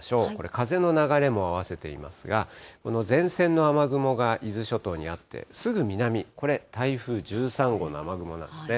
風の流れも合わせていますが、この前線の雨雲が伊豆諸島にあって、すぐ南、これ台風１３号の雨雲なんですね。